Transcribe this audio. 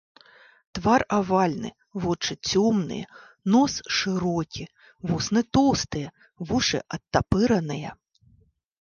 Твар авальны, вочы цёмныя, нос шырокі, вусны тоўстыя, вушы адтапыраныя.